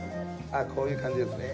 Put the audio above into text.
こういう感じですね。